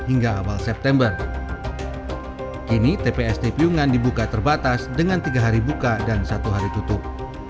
hingga awal september kini tpsd piungan dibuka terbatas dengan tiga hari buka dan satu hari tutup